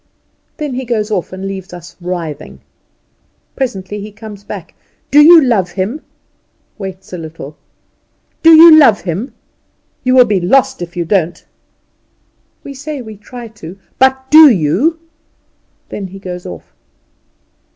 Then he goes off, and leaves us writhing. Presently he comes back. "Do you love Him?" waits a little. "Do you love Him? You will be lost if you don't." We say we try to. "But do you?" Then he goes off.